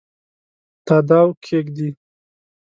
تاداو کښېږدي